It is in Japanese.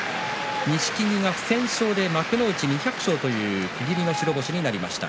錦木の不戦勝で幕内に２００勝という区切りの場所となりました。